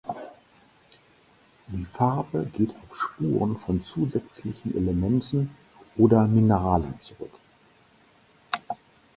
Die Farbe geht auf Spuren von zusätzlichen Elementen oder Mineralen zurück.